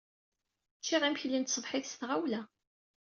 Ččiɣ imekli n tṣebḥit s tɣawla.